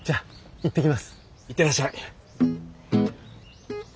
行ってらっしゃい。